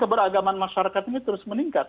keberagaman masyarakat ini terus meningkat